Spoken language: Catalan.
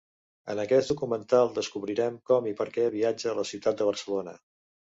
En aquest documental descobrirem com i perquè viatja a la ciutat de Barcelona.